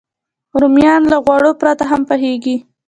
رومیان له غوړو پرته هم پخېږي